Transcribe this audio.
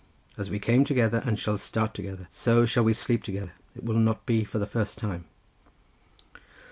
As we came together, and shall start together, so shall we sleep together; it will not be for the first time."